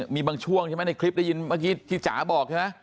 มีบางช่วงใช่ไหมในคลิปได้ยินเมื่อกี้ที่จ๋าบอกใช่ไหม